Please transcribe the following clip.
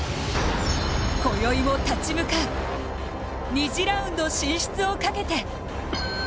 こよいも立ち向かう２次ラウンド進出をかけて。